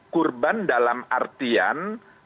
kurban dalam artian